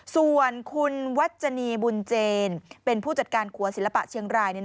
ส่วนคุณวัชนีบุญเจนเป็นผู้จัดการขัวศิลปะเชียงราย